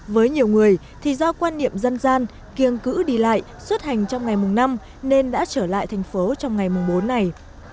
với nhiều người thì do quan niệm dân gian kiêng cứ đi lại xuất hành trong ngày mùng năm nên đã trở lại thành phố trong ngày mùng bốn này